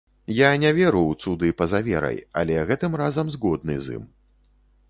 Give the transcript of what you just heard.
Я не веру ў цуды па-за верай, але гэтым разам згодны з ім.